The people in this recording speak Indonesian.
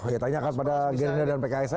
ya tanyakan pada gerina dan pks aja